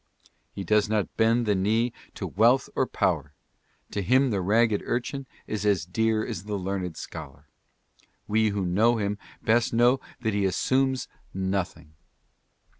He does not bend the knee to wealth or power. To him the ragged urchin is as dear as the learned scholar. We who know him best know that he assumes nothing.